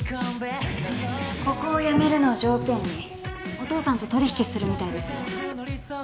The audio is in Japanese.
ここを辞めるのを条件にお父さんと取引するみたいですよ。